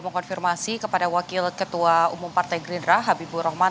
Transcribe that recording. saya mau konfirmasi kepada wakil ketua umum partai gerindra habibur rahman